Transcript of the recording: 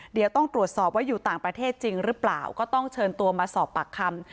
เดี๋ยวต้องตรวจสอบว่าอยู่ต่างประเทศจริงหรือเปล่าก็ต้องเชิญตัวมาสอบปากคำ